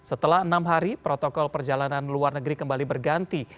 setelah enam hari protokol perjalanan luar negeri kembali berganti